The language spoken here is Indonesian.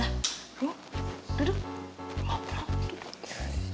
kamu duduk ngobrol tuh